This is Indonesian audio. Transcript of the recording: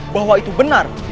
bahwa itu benar